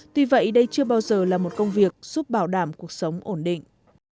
tuy vậy đây chưa bao giờ là một công việc giúp bảo đảm cuộc sống ổn định